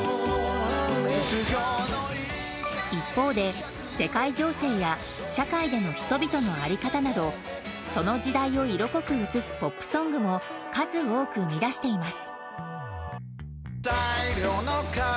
一方で世界情勢や社会での人々の在り方などその時代を色濃く映すポップソングも数多く生み出しています。